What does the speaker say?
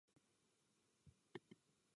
Dub pomalu dožívá.